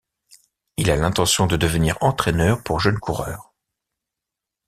Il a l'intention de devenir entraîneur pour jeunes coureurs.